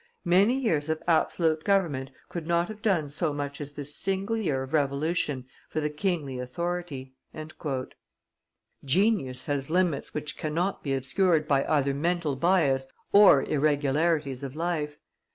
Many years of absolute government could not have done so much as this single year of revolution for the kingly authority." Genius has lights which cannot be obscured by either mental bias or irregularities of life.